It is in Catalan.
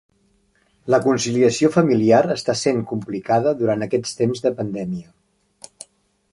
La conciliació familiar està sent complicada durant aquests temps de pandèmia.